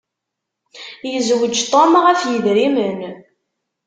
Yezweǧ Tom ɣef yedrimen.